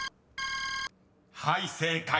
［はい正解。